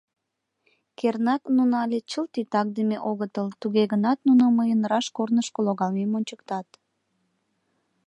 Кернак, нуно але чылт титакдыме огытыл, туге гынат нуно мыйын раш корнышко логалмем ончыктат.